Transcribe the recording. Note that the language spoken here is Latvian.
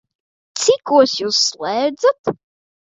Cikos Jūs slēdzat?